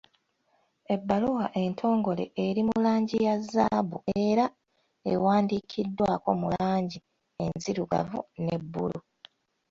Ebbaluwa entongole eri mu langi ya zzaabu era ewandiikiddwako mu langi enzirugavu ne bbulu.